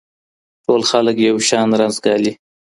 ټول خلګ یو شان رنځ ګالي.